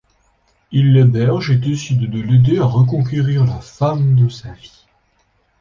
Il l'héberge et décide de l'aider à reconquérir la femme de sa vie.